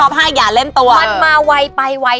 มันมาไวไปไว